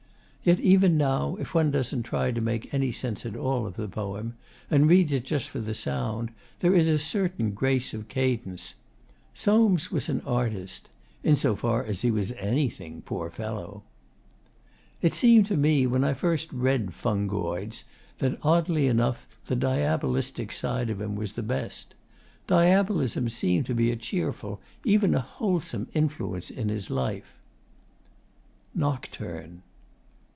Yet, even now, if one doesn't try to make any sense at all of the poem, and reads it just for the sound, there is a certain grace of cadence. Soames was an artist in so far as he was anything, poor fellow! It seemed to me, when first I read 'Fungoids,' that, oddly enough, the Diabolistic side of him was the best. Diabolism seemed to be a cheerful, even a wholesome, influence in his life. NOCTURNE.